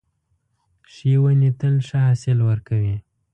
ښې ونې تل ښه حاصل ورکوي .